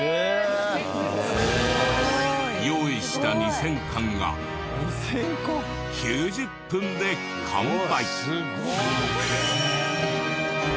用意した２０００缶が９０分で完売。